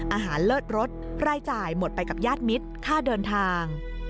เลิศรสรายจ่ายหมดไปกับญาติมิตรค่าเดินทาง